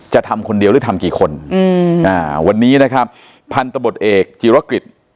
จะทำคนเดียวหรือทำกี่คนอืมอ่าวันนี้นะครับพันธบทเอกจิรกฤษ